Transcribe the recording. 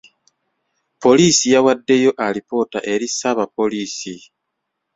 Poliisi yawaddeyo alipoota eri ssaabapoliisi.